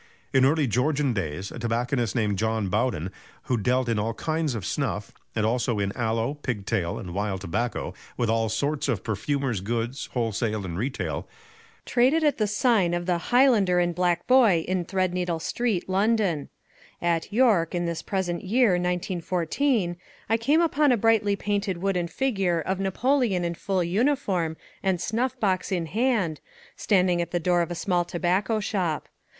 In early Georgian days a tobacconist named John Bowden, who dealt in all kinds of snuff, and also in "Aloe, Pigtail, and Wild Tobacco; with all sorts of perfumer's goods, wholesale and retail," traded at the sign of "The Highlander and Black Boy" in Threadneedle Street, London. At York, in this present year, 1914, I came upon a brightly painted wooden figure of Napoleon in full uniform and snuff box in hand, standing at the door of a small tobacco shop.